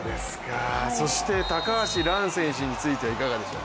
そして高橋藍選手についてはいかがでしょう。